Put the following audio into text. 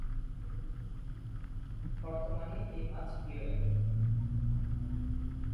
বর্তমানে এই মাছ বিরল।